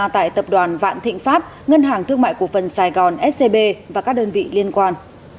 tại tập đoàn vạn thịnh pháp ngân hàng thương mại cổ phần sài gòn scb và các đơn vị liên quan